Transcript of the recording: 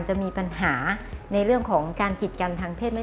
จะมีปัญหาในเรื่องของการกิจกันทางเพศไหม